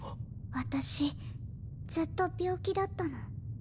私ずっと病気だったの。